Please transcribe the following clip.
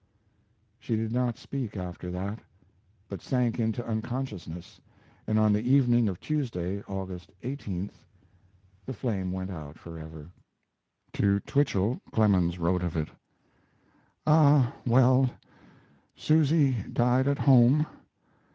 She did not speak after that, but sank into unconsciousness, and on the evening of Tuesday, August 18th, the flame went out forever. To Twichell Clemens wrote of it: Ah, well, Susy died at home.